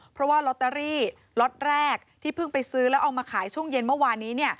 เพราะว่าลอตเตอรี่ล็อตแรกที่เพิ่งไปซื้อแล้วเอามาขายช่วงเย็นเมื่อวานนี้